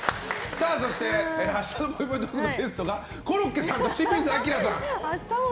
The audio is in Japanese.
そして、明日のぽいぽいトークのゲストがコロッケさんと清水アキラさん。